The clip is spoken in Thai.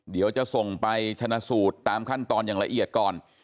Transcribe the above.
เดี๋ยวจะส่งไปชนะสูตรตามขั้นตอนอย่างละเอียดก่อน